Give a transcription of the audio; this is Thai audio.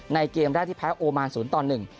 เกมแรกที่แพ้โอมานศูนย์ต่อหนึ่ง